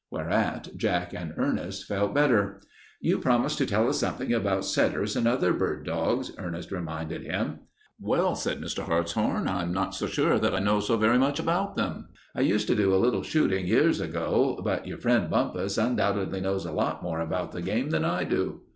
Whereat Jack and Ernest felt better. "You promised to tell us something about setters and other bird dogs," Ernest reminded him. "Well," said Mr. Hartshorn, "I'm not sure that I know so very much about them. I used to do a little shooting years ago, but your friend Bumpus undoubtedly knows a lot more about the game than I do."